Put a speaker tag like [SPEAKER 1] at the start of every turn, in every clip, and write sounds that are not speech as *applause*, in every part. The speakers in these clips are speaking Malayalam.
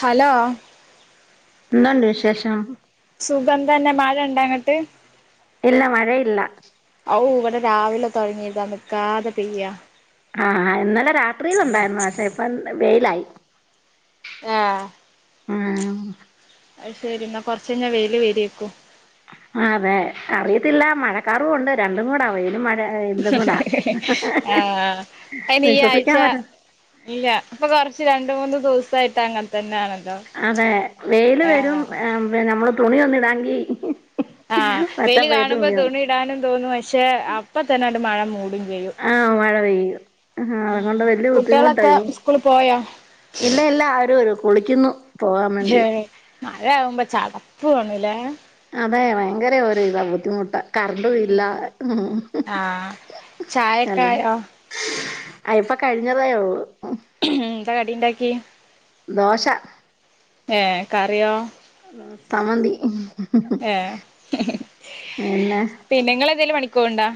[SPEAKER 1] ഹലോ
[SPEAKER 2] ഉണ്ട് വിശേഷം
[SPEAKER 1] സുഖംതന്നെ മഴ ഉണ്ടാങ്ങട്ട്
[SPEAKER 2] ഇല്ല മഴ ഇല്ല
[SPEAKER 1] ഓ ഇവിടെ രാവിലെ തുടങ്ങിതാ നിൽിക്കാതെ പെയ്യ
[SPEAKER 2] ആഹ ഇന്നലെ രാത്രിയില ഉണ്ടായിരുന്നു പക്ഷെ ഇപ്പം വെയിലായി
[SPEAKER 1] ആഹ്
[SPEAKER 2] ആഹ
[SPEAKER 1] അത് ശരി എന്നാ കൊറച്ചഞ്ഞാ വെൽ വേരിയേക്കോ
[SPEAKER 2] ആ അതെ അറിയത്തില്ല മഴക്കറവുണ്ട് രണ്ടും കൂടവയലും മഴ ഇതും കൂടാ
[SPEAKER 1] ആഹ അനി ഈ ആഴ്ച
[SPEAKER 2] വിശ്വസിക്കാൻ പറ്റ
[SPEAKER 1] ഇല്ല അപ്പൊ കൊറച്ച് രണ്ട മൂന്ന് ദിവസ ആട്ട് അങ്ങനെ തന്നെയ ആണ
[SPEAKER 2] അതെ വെൽ വരും നമ്മള് തുണി ഒന്ന ഇടാങ്കി
[SPEAKER 1] ആഹ
[SPEAKER 2] ഒറ്റ
[SPEAKER 1] വെയില്
[SPEAKER 2] പെയ്ത്ത്
[SPEAKER 1] കാണുമ്പോ
[SPEAKER 2] മുഴുവൻ
[SPEAKER 1] തുണി ഇടാനും തോന്നും പക്ഷെ അപ്പ തന്നെ അ മഴ മൂടുന്നു *unintelligible*
[SPEAKER 2] ആഹ് മഴ പെയ്യും ഹാ അതൊണ്ട് വെല്യ
[SPEAKER 1] കുട്ടികളൊക്കെ
[SPEAKER 2] ബുദ്ധിമുട്ടായോ?
[SPEAKER 1] സ്കൂള് പോയോ
[SPEAKER 2] ഇല്ല ല്ല അവരൊരു കുളിക്കുന്നു പോവാൻ വേണ്ടി.
[SPEAKER 1] മയാവുമ്പോ ചടപ്വൊണ് ല്ലേ.
[SPEAKER 2] അതെ ഭയങ്കര ഒരു ഇതാ ബുദ്ധിമുട്ട. കർണ്ടുല്ല ഉം
[SPEAKER 1] ആഹ് ചായക്കായോ
[SPEAKER 2] ആഹ് ഇപ്പൊ കഴിഞ്ഞതേയൊള്ളു
[SPEAKER 1] എന്താ കടിണ്ടാക്ക്യേ?
[SPEAKER 2] ദോശ
[SPEAKER 1] ഏഹ് കറ്യോ?
[SPEAKER 2] ഉം സമന്തി ഉം
[SPEAKER 1] ഏഹ്
[SPEAKER 2] പിന്നെ
[SPEAKER 1] പിന്നെ ങ്ങളെന്തേലും പണിക്കോവ്ണ്ടോ?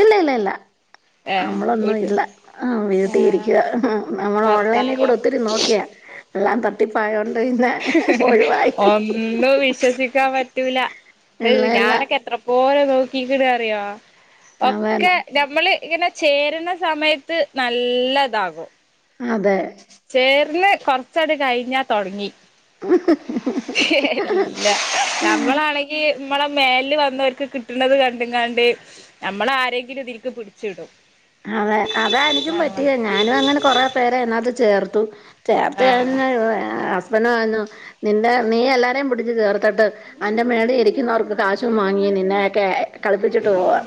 [SPEAKER 2] ഇല്ല ല്ല ല്ല
[SPEAKER 1] വീട്ട്
[SPEAKER 2] നമ്മളൊന്നുല്ല ആഹ്
[SPEAKER 1] ഏ
[SPEAKER 2] വീട്ടിരിക്കുവാ നമ്മൾ
[SPEAKER 1] ഭർത്താവോ
[SPEAKER 2] ഓൺലൈനിലൂടെ ഒത്തിരി നോക്ക്യാ എല്ലാം ത ട്ടിപ്പായോണ്ട്
[SPEAKER 1] ഒന്നും വിശ്വസിക്കാം പറ്റൂല.
[SPEAKER 2] ഇല്ല
[SPEAKER 1] ഏഹ്
[SPEAKER 2] ഇല്ല
[SPEAKER 1] ഞാനൊക്കെ എത്ര പോരു നോക്കിക്ക്ണാറ്യോ
[SPEAKER 2] അതാണ്
[SPEAKER 1] ഒക്കെ ഞമ്മള് ഇങ്ങനെ ചേര്ണ സമയത്ത് നല്ല താകും.
[SPEAKER 2] അതെ
[SPEAKER 1] ചേര്ല് കൊർച്ചട് കഴിഞ്ഞാ തൊടങ്ങി. എല്ലാം നമ്മളാണെങ്കി അമ്മളെ മേൽല് വന്നോർക്ക് കിട്ട്ണത് കണ്ട്ങ്ങാണ്ട് അമ്മളരെങ്കിലും ഇതിൽക്ക് പിടിച്ചിടും.
[SPEAKER 2] അതെ അതാ എനിക്കും
[SPEAKER 1] ആഹ്
[SPEAKER 2] പറ്റിയത് ഞാനും അങ്ങനെ കൊറെ പേരെ ഇതിനകത്ത് ചേർത്തു. ചേർത്ത്
[SPEAKER 1] ആഹ്
[SPEAKER 2] കഴിഞ്ഞു *unintelligible* *unintelligible* നിന്റെ നീ എല്ലാരേം പിടിച്ച് കേർത്തട്ട് അന്റെ മേഡെ ഇരിക്കുന്നവർക്ക് കാശും വാങ്ങി നിന്നെയെക്കെ കളിപ്പിച്ചിട്ട് പോവാ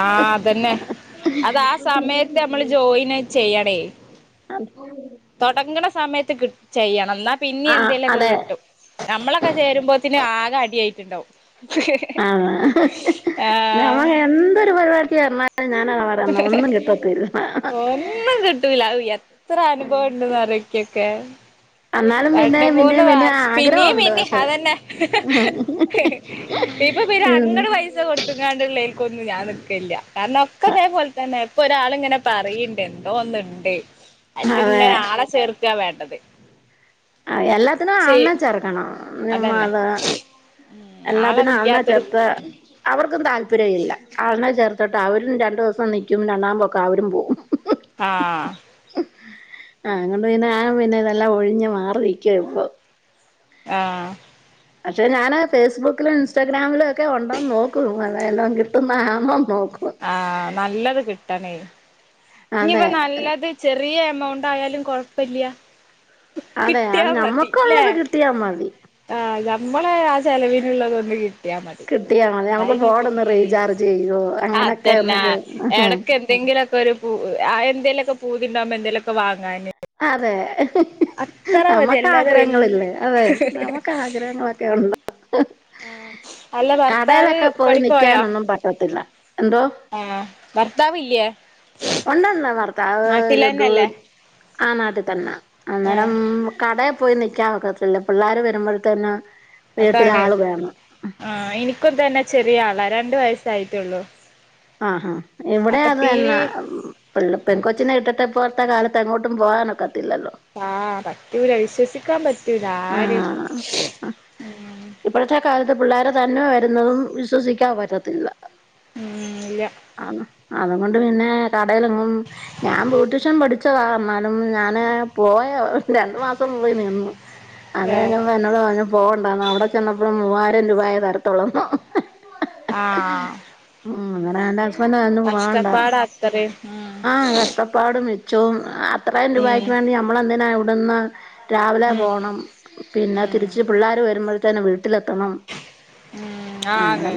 [SPEAKER 1] ആഹ് അതന്നെ അത് ആ സമയത്ത് നമ്മള് ജോയിന് തൊടങ്ങ്ണ സമയത്ത് കിട് ചെയ്യാ. നന്നാ പിന്നീ
[SPEAKER 2] ആഹ്
[SPEAKER 1] എന്തേലൊക്കെ
[SPEAKER 2] അതെ
[SPEAKER 1] കിട്ടും. നമ്മളൊക്കെ ചേരുമ്പോത്തിന് ആകെ അടിയായിട്ടുണ്ടാവും.
[SPEAKER 2] ആഹ് ഞമ്മ
[SPEAKER 1] ആഹ്
[SPEAKER 2] എന്തൊരു പരിപാടിക്ക് ചേർന്നാ അത് ഞാനാണ പറയന്ന ഒന്നും കിട്ടത്തില്ല.
[SPEAKER 1] ഇത്ര അനുഭവം ഇണ്ട്ന്നറിയോ ഇക്ക്യോക്കെ
[SPEAKER 2] എന്നാലും
[SPEAKER 1] രണ്ട്
[SPEAKER 2] പിന്നെയും
[SPEAKER 1] മൂന്ന്
[SPEAKER 2] പിന്നെയും പിന്നെയും
[SPEAKER 1] വർഷ്. പിന്നിയിം
[SPEAKER 2] ആഗ്രഹമുണ്ട്
[SPEAKER 1] പിന്നിം
[SPEAKER 2] പക്ഷെ
[SPEAKER 1] അതന്നെ ഇപ്പ പിന്നെ
[SPEAKER 2] ഉം
[SPEAKER 1] അങ്ങട് പൈസ കൊടുത്ത്കാണ്ടുള്ളയ്ക്കൊന്നും ഞാൻ നിക്കല്ല. കാ ക്കെതേപോൽ തന്നെ. ഇപ്പൊ ഒരാള് ഇങ്ങനെ പറയിണ്ട് എന്തോ ഒന്നുണ്ട്
[SPEAKER 2] അതെ
[SPEAKER 1] അയ്ക്ക്ങ്ങനെ ആളെ ചേർക്കാ വേണ്ടത്.
[SPEAKER 2] ആഹ് എല്ലാത്തിനും
[SPEAKER 1] ശെ
[SPEAKER 2] ആള്നെ ചേർക്കണം.
[SPEAKER 1] അതന്നെ
[SPEAKER 2] നിമ്മാത
[SPEAKER 1] ഉം
[SPEAKER 2] എല്ലാത്തിനും ആള്നെ
[SPEAKER 1] ആളെല്ലാത്തൊരു
[SPEAKER 2] ചേർത്താ അവർക്കും താല്പര്യം ഇല്ല. ആൾനെ ചേർത്തട്ട് അവരും രണ്ടോസം നിക്കും രണ്ടാമ്പൊക്കം അവരും പോവും.
[SPEAKER 1] ആഹ്
[SPEAKER 2] ആഹ് അങ്ങണ്ട് പിന്നെ ആ പിന്നെ ഇതെല്ലാം ഒഴിഞ് മാറിരിക്ക ഇപ്പൊ
[SPEAKER 1] ആഹ്
[SPEAKER 2] പക്ഷെ ഞാന് ഫേസ്ബുക്കിലും ഇൻസ്റ്റാഗ്രാമിലും ഒക്കെ ഉണ്ടോന്ന് നോക്കും അതേയതോ കിട്ടുന്ന ആണോ നോക്
[SPEAKER 1] ആഹ് നല്ലത് കിട്ടണേ.
[SPEAKER 2] അതെ
[SPEAKER 1] ഇനിപ്പ നല്ലത് ചെറിയ എമൗണ്ടായാലും കൊഴപ്പില്ല്യ
[SPEAKER 2] അതെ
[SPEAKER 1] കിട്ടിയാ
[SPEAKER 2] അത്
[SPEAKER 1] മതി ല്ലേ
[SPEAKER 2] നമ്മുക്കുള്ളത് കിട്ടിയാ മതി
[SPEAKER 1] ആഹ് ല നമ്മളെ ആ ചെലവിനുള്ളതൊന്ന് കി ട്ട്യാ മതി.
[SPEAKER 2] കിട്ടിയാ മതി നമുക്ക് ഫോൺ
[SPEAKER 1] അയിനിപ്പോ.
[SPEAKER 2] ഒന്ന് റീചാർജ് ചെയ്യോ അങ്ങനൊക്കെ
[SPEAKER 1] അതന്നെ ആ ഹ്
[SPEAKER 2] ഒന്ന്
[SPEAKER 1] എടക്ക് എന്തെങ്കി എന്തെങ്കിലൊക്കെ ഒരു പൂ, ആഹ് എന്തേലൊക്കെ പൂതിണ്ടാകുമ്പോ എന്തേലൊക്കെ വാങ്ങാന്
[SPEAKER 2] അതെ ഹ് ഹ്ഹ്
[SPEAKER 1] അത്ര മതി
[SPEAKER 2] നമ്മക്ക്
[SPEAKER 1] അല്ലാതെ വല്
[SPEAKER 2] ആഗ്രഹങ്ങളല്ലേ അതെ നമ്മുക്ക് ആഗ്രഹങ്ങളൊ ഉണ്ട്
[SPEAKER 1] ആഹ് അല്ല ഭർത്താവ്
[SPEAKER 2] കടയിലൊക്കെ പോയി നിക്കാനൊന്നും പറ്റത്തില്ല എന്തോ
[SPEAKER 1] ആ ഭർത്താവില്യേ
[SPEAKER 2] ഒണ്ടല്ലോ ഭർ ഭാവ് ആ നാട്ടിൽ തന്നെ
[SPEAKER 1] ആഹ്
[SPEAKER 2] അന്നേരം കട പോയി നിൽക്കാൻ നിക്കത്തില്ല പിള്ളോര് വരുമ്പോഴത്തന്നെ
[SPEAKER 1] അതാണ് ആ എനിക്കും തന്നെ ചെറിയ ആളാ രണ്ട് വയസ് ആയിട്ടുള്ളൂ
[SPEAKER 2] ആഹാ ഹാ ഇവിടെ അത് തന്നെ പെൻ കൊച്ചിനെ ഇട്ടിട്ടപ്പോ ഇത്തെ കാലത്ത് എങ്ങോട്ടും പോകാനൊക്കെ ഒക്കത്തില്ല
[SPEAKER 1] ആ പറ്റൂല വിശ്വസിക്കാൻ പറ്റും
[SPEAKER 2] ആ
[SPEAKER 1] ആരെയും
[SPEAKER 2] അത് പിള്ളേരെ തന്നെ വരുന്നതും വിശ്വസിക്കാൻ പറ്റത്തില്ല
[SPEAKER 1] ഉം ഇല്ല
[SPEAKER 2] ആണോ അതൊണ്ട് പിന്നെ കടയിലങ്ങും ഞാൻ ബ്യൂട്ടീഷൻ പഠിച്ചതാ ന്നാലും ഞാന് പോയ രണ്ടു മാസം മുമ്പ് നിന്നു അതെ ഞ
[SPEAKER 1] വേറെ
[SPEAKER 2] എന്നോട് പറഞ്ഞ പോകണ്ട അവിടെ ചെന്നപ്പോഴ മൂവായിരം രൂപെയ തരത്തുള്ളന്നു
[SPEAKER 1] ആ
[SPEAKER 2] അങ്ങനെ എന്റെ ഹസ്ബൻ്റ് അന്നും പോണ്ട
[SPEAKER 1] അത്രയും ഉം
[SPEAKER 2] ആ കഷ്ടപ്പാടും ച്ചം അത്രരം
[SPEAKER 1] ഉം
[SPEAKER 2] രൂപയ്ക്ക് വേണ്ടി നമ്മെളന്തിനാണ് ഇവിടുന്ന് രാ
[SPEAKER 1] ഉം
[SPEAKER 2] പോകണം പിന്നെ
[SPEAKER 1] ഉം
[SPEAKER 2] തിരിച്ച് പിള്ളേർ വരുമ്പോഴത്തന്നെ വിട്ടി വീട്ടിലത്തണം
[SPEAKER 1] ഉം
[SPEAKER 2] അങ്ങനെ
[SPEAKER 1] ആന്ന്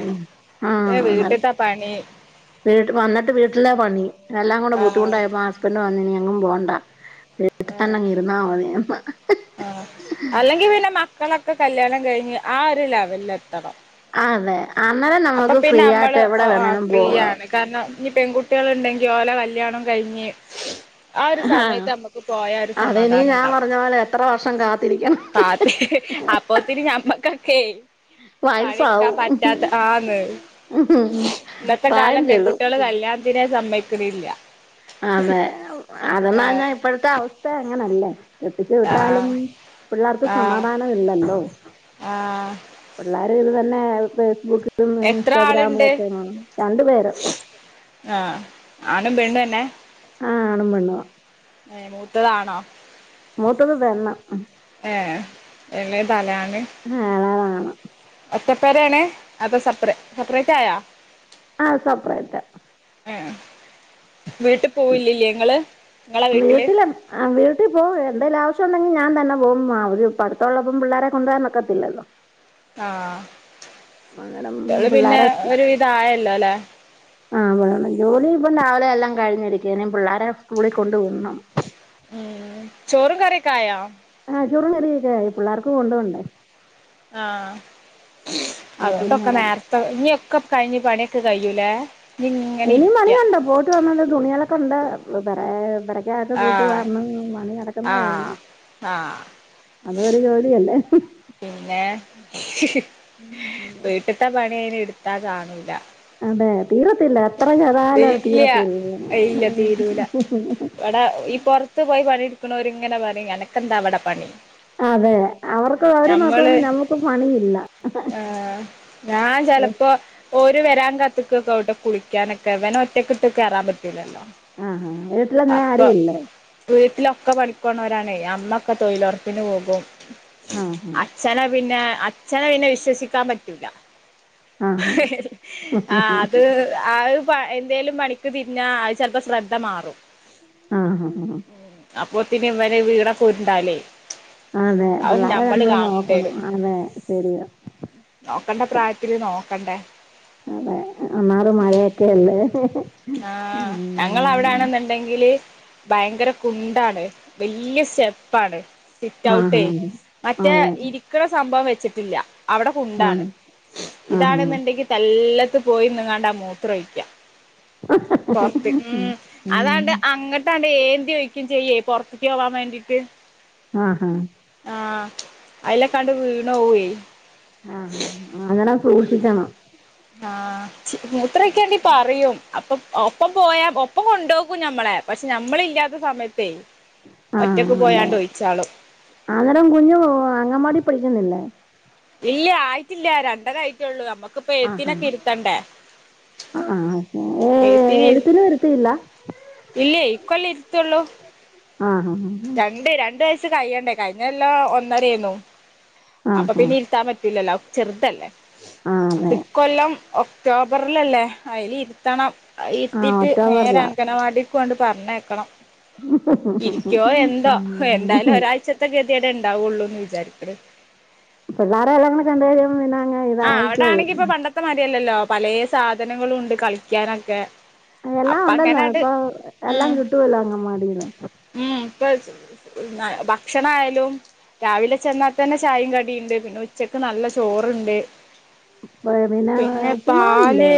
[SPEAKER 2] ആ
[SPEAKER 1] വീട്ടിത്തെ പണി
[SPEAKER 2] വീട്ടിൽ വന്നിട്ട് വീട്ടിലാ പണി എല്ലാം കൂടെ
[SPEAKER 1] ആഹ്
[SPEAKER 2] ബുദ്ധിമുട്ടായപ്പോ ഹസ്ബൻ്റ് പറഞ്ഞു എങ്ങും പോണ്ട വീട്ട് തന്നെ ഇരുന്നാമതി പറഞ്ഞ്
[SPEAKER 1] ആ അല്ലെങ്കി പിന്നെ മക്കളൊക്കെ കല്യാണം കഴിഞ്ഞ് ആ ഒരു ലെവലിൽ എത്തണം
[SPEAKER 2] അതെ അന്നേരം
[SPEAKER 1] അപ്പൊ
[SPEAKER 2] നമുക്ക് ഫ്രീ
[SPEAKER 1] പിന്നെ
[SPEAKER 2] ആയിട്ട്
[SPEAKER 1] നമ്മള്
[SPEAKER 2] എവിടെ
[SPEAKER 1] ഒ
[SPEAKER 2] വേണേലും പോകാം
[SPEAKER 1] ഫ്രീയാണ് കാരണം ഇനി പെൺകുട്ടികൾ ഉണ്ടെങ്കി ഓലെ കല്ല്യാണം കഴിഞ്ഞ് ആ ഒരു
[SPEAKER 2] ആഹ്
[SPEAKER 1] സമയത്ത് നമ്മുക്ക് പോയ ഒരു
[SPEAKER 2] അതിനി
[SPEAKER 1] സമാധാനം
[SPEAKER 2] ഞാൻ
[SPEAKER 1] ഉണ്ടാവും
[SPEAKER 2] പറഞ്ഞ പോലെ എത്ര വർഷം കാത്തിരിക്കണം
[SPEAKER 1] കാ അത് അപ്പത്തിൻ ഞമ്മക്കൊക്കെ പന്നിട്ക്കാൻ
[SPEAKER 2] വയസാവും
[SPEAKER 1] പറ്റാത്ത ആ ഇന്നത്തെ
[SPEAKER 2] പ്രായം
[SPEAKER 1] കാലം
[SPEAKER 2] ചെല്ലും
[SPEAKER 1] പെൺകുട്ടിൾ കല്യാണത്തിനെ സമ്മയ്ക്കുന്നില്ല
[SPEAKER 2] അതെ അതെന്നാഞ്ഞാൻ ഇപ്പഴത്തെ അവസ്ഥ അങ്ങനെല്ലേ എത്തിച്ചു വിട്ടാലും
[SPEAKER 1] ആഹ്
[SPEAKER 2] പിള്ളേർക്ക് സമാധാനം ഇല്ലല്ലോ
[SPEAKER 1] ആ
[SPEAKER 2] പിള്ളേരും ഇത് തന്നെ ഫേസ്ബുക്ക് ത
[SPEAKER 1] എത്ര ആളുണ്ട്
[SPEAKER 2] ഇൻസ്റ്റാഗ്രാമിലൊക്കെ രണ്ടു പേര്
[SPEAKER 1] ആഹ് ആണും പെണ്ണും തന്നെ
[SPEAKER 2] ആണും പെണ്ണും വ
[SPEAKER 1] മൂത്തതാണോ
[SPEAKER 2] മൂത്തത് പെണ്ണ്
[SPEAKER 1] ഏ ഇളയത് ആണ്
[SPEAKER 2] ഇളയതാണ്
[SPEAKER 1] ഒറ്റപ്പരാണ് അത് സെപ്പ സെപ്പറേറ്റ് ആയാ
[SPEAKER 2] ആഹ് സെപ്പറേറ്റാ
[SPEAKER 1] ഏ ഇങ്ങളെ
[SPEAKER 2] ഉ
[SPEAKER 1] വീട്ടില്
[SPEAKER 2] വീട്ടിലെ ആ വീട്ടിൽ പോ എന്തെലും ആവശ്യം ഉണ്ടെങ്കിൽ ഞാൻ തന്നെ പോ അവര് അടുത്തുള്ളപ്പം പിള്ളോരെ കൊണ്ടുവരാൻ നോക്കത്തില്ലല്ലോ
[SPEAKER 1] ആഹ ഇയാള് പിന്നെ
[SPEAKER 2] പിള്ളേരെ സ്കൂ-
[SPEAKER 1] ഒരുവിധം ആയല്ലോ അല്ലേ
[SPEAKER 2] ആ ജോലി ഇപ്പം രാവിലെ എല്ലാം കഴിഞ്ഞിരിക്ക പിള്ളേരെ സ്കൂളിൽ കൊണ്ട് വി വിടണം
[SPEAKER 1] ഉം ചോറും കറിയൊക്കെ ആയോ
[SPEAKER 2] ചോറും കറിയൊക്കെ ആയി പിള്ളേർക്ക് കൊണ്ടോണ്ടേ
[SPEAKER 1] ആഹ
[SPEAKER 2] ആ, പിന്നെ
[SPEAKER 1] അതുകൊണ്ടൊക്കെ
[SPEAKER 2] രാ-
[SPEAKER 1] നേരത്തെ ഇനിൊക്കെ കഴിഞ്ഞു പണിയ കൈയുലെ
[SPEAKER 2] ഇനി പണിയുണ്ട പോയിട്ട് വന്നത് തുണികളൊക്കെ ഉണ്ട അന്റെ തൂത്ത്
[SPEAKER 1] ആഹ്
[SPEAKER 2] വാരണം പണി കിടക്കുന്നോഒളു
[SPEAKER 1] ആഹ് ആഹ്
[SPEAKER 2] അതരു ജോലിയല്ലേ
[SPEAKER 1] പിന്നെ വീട്ടത്തെ പണി അയിന് എടുത്താ കാണില്ല
[SPEAKER 2] അതെ തീരത്തില്ല എത്ര ചെയ്താലും അത്
[SPEAKER 1] ഇല്ല
[SPEAKER 2] തീരത്തില്ല
[SPEAKER 1] ഇല്ല തീരുൂല ഇടെ ഈ പുറത്ത് അടുത്ത് പോയി പണിടുക്കണുംങ്ങനെ പറ എനക്ക എന്താവിടെ പണി
[SPEAKER 2] അതെ അവർക്ക് അവർ
[SPEAKER 1] നമ്മള്
[SPEAKER 2] നോക്കുന്ന നമുക്ക് പണിയില്ല
[SPEAKER 1] ആ ഞ ചിലപ്പോ ഓ വരാൻ കത്തക്കൊക്കെ വിട്ടെ കുളിക്കാനൊക്കെ അവന ഒറ്റക്ക ഇട്ട കയറാൻ പറ്റൂില്ലല്ലോ
[SPEAKER 2] ആഹ് ആഹ് ഇട്ട അങ്ങനെ ആരു ഇല്ലേ
[SPEAKER 1] ഒക്ക പണിക്കോണവരാണ് അമ്മൊക്കെ തൊഴിലുറപ്പിന് പോകും
[SPEAKER 2] ആ ഹാ
[SPEAKER 1] അച്ഛന പിന്നെ അച്ഛനെ പിന്നെ വിശ്വസിക്കാൻ പറ്റൂല്ല
[SPEAKER 2] ആ ഹാ
[SPEAKER 1] ആ അത് ആ എന്തേങ്കലും പണിക്ക് തിരിഞ്ഞാ അത് ചിലപ്പോ ശ്രദ്ധ മാറും
[SPEAKER 2] ആഹ ആഹ് ആഹ്ഹ
[SPEAKER 1] അപ്പൊത്തിന്ന വീണ ഉരുണ്ടാലേ
[SPEAKER 2] അതെ
[SPEAKER 1] അതും
[SPEAKER 2] പിള്ളാരെ നമ്മള്
[SPEAKER 1] കാണേണ്ടി
[SPEAKER 2] നോക്കണം
[SPEAKER 1] വരും
[SPEAKER 2] അതെ ശെരിയ
[SPEAKER 1] നോക്കണ്ട പ്രായത്തില് നോക്കണ്ടേ
[SPEAKER 2] അതെ അന്നാലും മഴയാക്കെ അല്ലേ
[SPEAKER 1] ആ് ഞങ്ങ
[SPEAKER 2] ഉം.
[SPEAKER 1] അവിടെണെന്നുണ്ടെങ്കിൽ ഭയങ്കര കുണ്ടാണ് വലിയ സ്റ്റെപ്പാണ് സിറ്റ്
[SPEAKER 2] ആഹ്
[SPEAKER 1] ഔട്ട് മറ്റേ
[SPEAKER 2] അതെ
[SPEAKER 1] ഇരിക്കുന്ന സംഭവം വെച്ചിട്ടില്ല അവിടെ കൊണ്ടാണ്
[SPEAKER 2] ആഹ് ആഹ്
[SPEAKER 1] ഇതാണെന്നുണ്ടെങ്കിൽ തല്ല ത്ത് പോയി നിങ്ങാണ്ടാ മൂത്രഴിക്ക പൊറത്ത് ഉ
[SPEAKER 2] ഉം ഉം
[SPEAKER 1] അതണ്ട് അങ്ങോട്ടണ്ട് വിടെ ഏന്തി ചോദിക്കും ചെയ്യേ പുറത്തേക്ക് പോവാൻ വേണ്ടീട്ട്
[SPEAKER 2] ആഹ് ഹഹ
[SPEAKER 1] അലെ കണ്ട് വീണ പോയി
[SPEAKER 2] ആഹ അങ്ങട സൂക്ഷിക്കണം
[SPEAKER 1] ആഹ മൂത്രക്കാണ്ടി പറയും അപ്പൊ ഒപ്പം പോയാ ഒപ്പം കൊണ്ടുപോക്കും ഞമ്മളെ പക്ഷെ നമ്മള ഇല്ലാത്ത സമയത്തേ ഒറ്റക്ക്
[SPEAKER 2] ആഹ അത
[SPEAKER 1] പോയാണ്ട് ഒഴിച്ചാളും
[SPEAKER 2] അന്നേരം കുഞ്ഞു അങ്ങമാടി പിടിക്കുന്നില്ലേ
[SPEAKER 1] ഇല്ല ആയിട്ടില്ല രണ്ട കയിട്ടുള്ളൂ നമ്മക്കിപ്പ
[SPEAKER 2] ആഹാ
[SPEAKER 1] എഴുതിനിക്കോ ഇരുത്തണ്ടേ
[SPEAKER 2] ആഹ് ഏ
[SPEAKER 1] എഴുത്തിന്
[SPEAKER 2] എഴുത്തിനും ഇരുത്തിയില്ല
[SPEAKER 1] ഇല്ലേ ഇകൊല്ലം ഇരുത്തുള്ളൂ
[SPEAKER 2] ആഹ് ഹഹ ആ്
[SPEAKER 1] കഴ്യണ്ടേ കഴിഞ്ഞ എല്ലാം ഒന്നര ആന്നു അപ്പൊ
[SPEAKER 2] ആഹ്
[SPEAKER 1] പിന്നെ ഇരുത്താൻ പറ്റലല്ലോ ചെറുതല്ലേ
[SPEAKER 2] ആഹ്
[SPEAKER 1] അപ്പൊ
[SPEAKER 2] അതെ
[SPEAKER 1] ഇ കൊല്ലം ഒക്ടോബറിലല്ലേ അതിനു ഇരുത്തണം
[SPEAKER 2] ആഹ്
[SPEAKER 1] ഇട്ടീട്ട് നേരെ
[SPEAKER 2] ഒക്ടോബറിലാ
[SPEAKER 1] അംഗനവാടിക്ക് കൊണ്ട് പറഞ്ഞേക്കണം
[SPEAKER 2] ഉ *inaudible*
[SPEAKER 1] ഓ എന്തോ എന്തായാലും ഒരാഴ്ചത്തെ ഗതിടെ ഇണ്ടാവുള്ളൂന്ന് വിചാരിക്കണ്
[SPEAKER 2] പിള്ളോരെല്ലാം കണ്ട് കഴിഞ്ഞപ്പോ പിന്നെ അങ്ങ്
[SPEAKER 1] ആഹ
[SPEAKER 2] ഇതായിക്കോളും
[SPEAKER 1] അവിടൊണെങ്കി ഇപ്പൊ പണ്ടത്തെ മരിയല്ലല്ലോ പലയ സാധനങ്ങളും ഉണ്ട് കളിക്കാനൊക്കെ
[SPEAKER 2] എല്ലാം
[SPEAKER 1] അപ്പ
[SPEAKER 2] ഉണ്ടല്ല
[SPEAKER 1] അങ്ങനാണ്ട്
[SPEAKER 2] ഇപ്പൊ
[SPEAKER 1] ഉം
[SPEAKER 2] എല്ലാം കിട്ടുവല്ല അങ്ങമടിയിൽ
[SPEAKER 1] ബ *unintelligible* ഭക്ഷണയാലും രാവിലെ ചെന്നാൽ തന്നെ ചായയും കടിയുണ്ട് പിന്നെ ഉച്ചക്ക് നല്ല ചോറുണ്ട്
[SPEAKER 2] ഇപ്പൊ
[SPEAKER 1] പിന്നെ
[SPEAKER 2] ഉപ്പുമാവില്ലേ
[SPEAKER 1] പാല്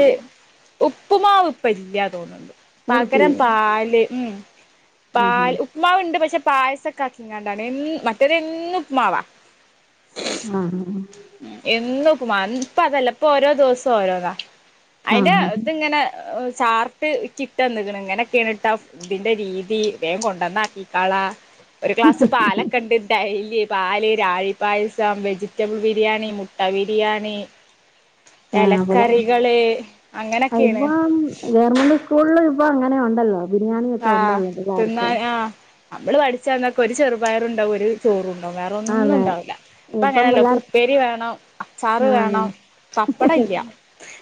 [SPEAKER 1] ഉപ്പുമാവ ഉപ്പ ഇല്ല തോന്നുന്നു പകരം
[SPEAKER 2] നിർത്തിയോ
[SPEAKER 1] പാല് മം
[SPEAKER 2] ആഹാ
[SPEAKER 1] പൽ ഉപ്പ്മാണ്ട് പക്ഷെ പായസൊക്കെ ആക്കിങ്ങാണ്ടാണ് മറ്റേത് എന്നും ഉപ്പ്മാവാ
[SPEAKER 2] ആഹ് ആഹ്
[SPEAKER 1] എന്നും ഉപ്പുമാവ് ഇപ്പ അതല്ല ഇപ്പൊ ഓരോ ദിവസവും ഓരോന്നാ അയിന്റെ
[SPEAKER 2] ആഹാ
[SPEAKER 1] ഇത്ങ്ങനെ *unintelligible* ചാർട്ട് ഇക്ക് ഇട്ട് തന്ന്ക്കണ്, ഇങ്ങനൊക്കെയാണ് ട്ടോ ഇതിന്റെ രീതി വേം കൊണ്ടന്നാക്കിക്കളാ ഒരു ഗ്ലാസ് പാലൊക്കെ ഇണ്ട് ഡൈലി പാല് രാഗി പായസം വെജിറ്റബിൾ ബി ബിരിയാണി മുട്ട ബിരിയാണി
[SPEAKER 2] ആ അപ്പഴാ
[SPEAKER 1] എലക്കറികള് അങ്ങനൊക്കെയാണ്
[SPEAKER 2] ഇപ്പം ഗവൺമെന്റ് സ്കൂളിലും ഇപ്പൊ അങ്ങനെ ഉണ്ടല്ലോ ബിരിയാണിയൊക്കെ
[SPEAKER 1] ആഹ്
[SPEAKER 2] ഉണ്ടല്ലോ
[SPEAKER 1] തിന്നാ
[SPEAKER 2] പിള്ളേർക്ക്
[SPEAKER 1] ആഹ് അമ്മള് പഠിച്ചന്നൊക്കെ ഒരു ചെറുപയറുണ്ടാവും ഒരു ചോറു ണ്ടാവും വേറെ ഒന്നും
[SPEAKER 2] അതെ
[SPEAKER 1] ഉണ്ടാവില്ല ഇപ്പ
[SPEAKER 2] ഇപ്പം
[SPEAKER 1] അങ്ങനെയല്ല
[SPEAKER 2] പിള്ളേർ
[SPEAKER 1] ഉപ്പേരി വേണം, അച്ചാറ്
[SPEAKER 2] ആ
[SPEAKER 1] വേണം, പപ്പടം ഇല്ല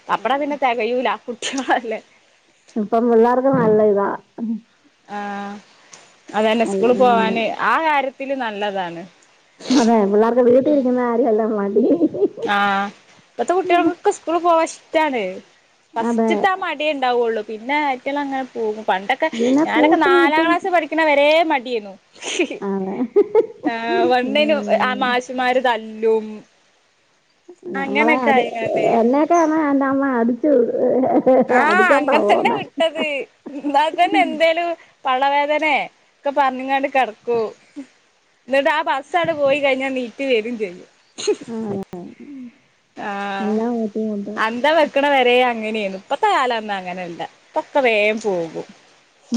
[SPEAKER 1] പപ്പടം പിന്നെ തെകയൂല കുട്ടികളല്ലേ
[SPEAKER 2] ഇപ്പം പിള്ളാർക്ക് നല്ല ഇതാ
[SPEAKER 1] ആഹ് അതന്നെ ഉസ്കൂള്
[SPEAKER 2] എല്ലാം കൊണ്ട്
[SPEAKER 1] പോവാന് ആ കാര്യത്തില് നല്ലതാണ്
[SPEAKER 2] അതെ പിള്ളാർക്ക് വീട്ടരിക്കുന്ന കാര്യം അല്ലെ മടി
[SPEAKER 1] ആഹ് ഇപ്പത്തെ കുട്ടികൾക്കൊക്കെ സ്കൂള് പോവാന് ഇഷ്ട്ടാണ്
[SPEAKER 2] അതെ
[SPEAKER 1] ഫസ്റ്റത്തെ ആ മടിയേ ഉണ്ടാവുള്ളു പിന്നെ *unintelligible* അങ്ങനെ പോകും. പണ്ടൊക്കെ
[SPEAKER 2] പിന്നെ
[SPEAKER 1] ഞാനൊക്കെ
[SPEAKER 2] കൂട്ടും
[SPEAKER 1] നാലാം
[SPEAKER 2] കിട്ടും
[SPEAKER 1] ക്ലാസ്സ് പഠിക്കണ വരെ മടിയാര്ന്നു
[SPEAKER 2] അതെ
[SPEAKER 1] ആഹ് വണ്ണിനു ആഹ്
[SPEAKER 2] ഉം
[SPEAKER 1] മാശുമ്മാര് തല്ലും
[SPEAKER 2] നമ്മളെ
[SPEAKER 1] അങ്ങനൊക്കെ
[SPEAKER 2] അട്
[SPEAKER 1] ആയിങ്ങാണ്ട്
[SPEAKER 2] എന്നെയെക്കെ *unintelligible* എൻ്റെമ്മ അടിച്ചു വി
[SPEAKER 1] ആഹ് അങ്ങനെ തന്നെ വിട്ടത് ഇന്നാ തന്നെ എന്തേലും പള്ളവേദനയെ ഒക്കെ പറഞ്ഞ്ങ്ങാണ്ട് കെടക്കൂം. ഇന്നിട്ട് ആ ബസ്സാണ്ട് പോയി കഴിഞ്ഞാ നീറ്റ് വരും ചെയ്യും. ആഹ്
[SPEAKER 2] എല്ലാം ബുദ്ധിമുട്ടാ
[SPEAKER 1] അന്ത വെക്കണ വരെ അങ്ങനെയിരുന്നു ഇപ്പത്തെ കാലൊന്നു അങ്ങനെ അല്ല ഇപ്പക്കെ വേം പോകും.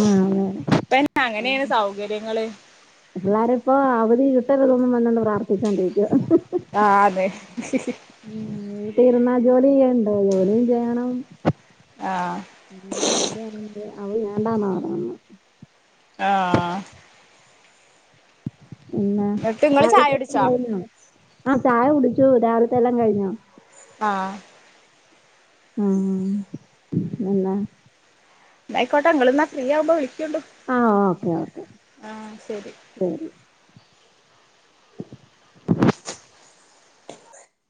[SPEAKER 2] ആഹ് അതേ
[SPEAKER 1] ഇപ്പന്നെ അങ്ങനെയാണ് സൗകര്യങ്ങള്
[SPEAKER 2] പിള്ളരെപ്പോ അവധി കിട്ട ട്ടണോന്ന് വന്നോണ്ട് പ്രാർത്ഥിച്ചോണ്ടിരിക്ക.
[SPEAKER 1] ആന്ന്
[SPEAKER 2] വീട്ടി ഇരുന്നാ ജോലി ചെയ്യണ്ടേ ജോലിയും ചെയ്യണം.
[SPEAKER 1] ആഹ്
[SPEAKER 2] *unintelligible*
[SPEAKER 1] ആഹ്.
[SPEAKER 2] പിന്നെ
[SPEAKER 1] എന്നിട്ട് ഇങ്ങള് ചായ കുടിച്ചോ
[SPEAKER 2] *unintelligible* ആ ചായ കുടിച്ചു. ച്ചു. രാവിൽത്തെ എല്ലാം കഴിഞ്ഞോ?
[SPEAKER 1] ആഹ്
[SPEAKER 2] ആഹ് പിന്നെ
[SPEAKER 1] ന്നായ്ക്കോട്ടെ ഇങ്ങള്ന്നാ ഫ്രീയാവുമ്പോ വിളിക്ക് ക്കൊണ്ടു.
[SPEAKER 2] ആ ഓക്കെ ഓക്കെ
[SPEAKER 1] ആ ശെരി